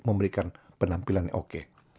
memberikan penampilan yang oke